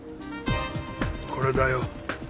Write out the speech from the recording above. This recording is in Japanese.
これだよ。